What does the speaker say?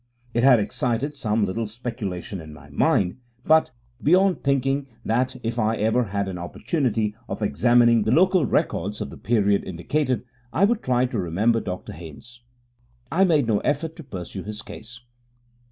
It had excited some little speculation in my mind, but, beyond thinking that, if I ever had an opportunity of examining the local records of the period indicated, I would try to remember Dr Haynes, I made no effort to pursue his case.